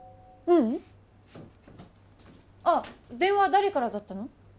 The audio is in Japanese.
ううんあっ電話誰からだったの？